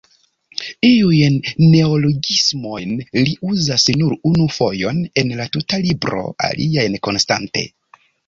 Iujn neologismojn li uzas nur unu fojon en la tuta libro, aliajn konstante.